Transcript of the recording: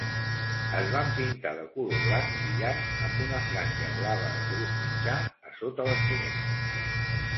Es van pintar de color blanc brillant amb una franja blava de gruix mitjà a sota les finestres.